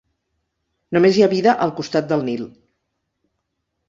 Només hi ha vida al costat del Nil.